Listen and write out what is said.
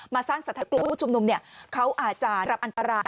มาสร้างสถานกรุ๊ปชุมนุมเนี่ยเขาอาจจะรับอันตราย